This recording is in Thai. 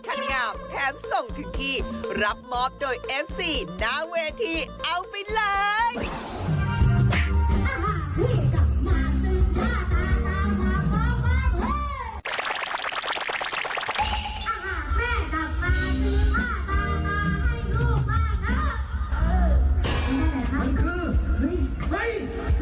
แต่นี่สักระหยาดขนาดแถมส่งถึงที่รับมอบโดยเอฟซีหน้าเวทีเอาไปเลย